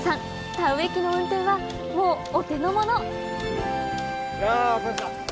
田植え機の運転はもうお手のもの！